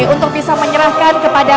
untuk bisa menyerahkan kepada